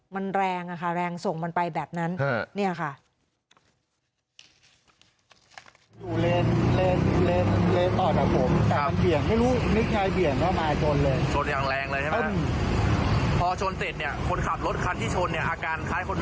มันแรงค่ะแรงส่งมันไปแบบนั้นเนี่ยค่ะ